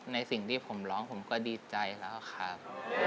ในสิ่งที่ผมร้องผมก็ดีใจแล้วครับ